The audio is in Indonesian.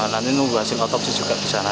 nanti nunggu hasil otopsi juga disana